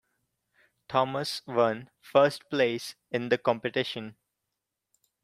Thomas one first place in the competition.